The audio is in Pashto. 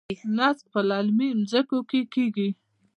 نسک په للمي ځمکو کې کیږي.